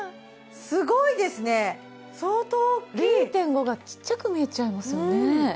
すごいですね相当大っきい０．５が小っちゃく見えちゃいますよね